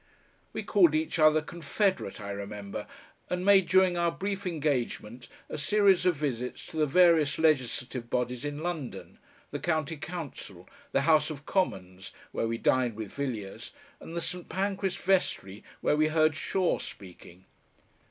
We called each other "confederate" I remember, and made during our brief engagement a series of visits to the various legislative bodies in London, the County Council, the House of Commons, where we dined with Villiers, and the St. Pancras Vestry, where we heard Shaw speaking.